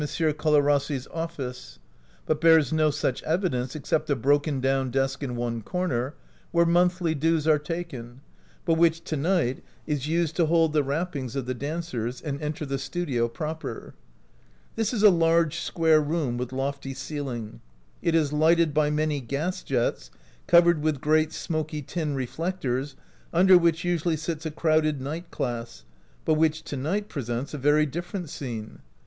Colarrossi's office — but bears no such evidence except a broken down desk in one corner, where monthly dues are taken, but which to night is used to hold the wrappings of the dancers — and enter the studio proper. This is a large, square room with lofty ceiling. It is lighted by many gas jets, covered with great, smoky tin re flectors, under which usually sits a crowded night class, but which to night presents a very different scene.